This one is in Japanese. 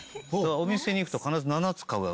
お店に行くと必ず７つ買う。